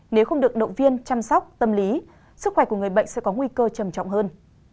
nếu không được động viên chăm sóc tâm lý sức khỏe của người bệnh sẽ có nguy cơ trầm trọng hơn